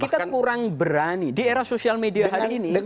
kita kurang berani di era sosial media hari ini